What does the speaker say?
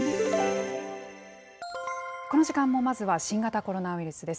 この時間もまずは新型コロナウイルスです。